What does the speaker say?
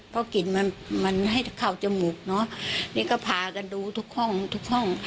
เพราะกลิ่นมันมันให้เข้าจมูกเนอะนี่ก็พากันดูทุกห้องทุกห้อง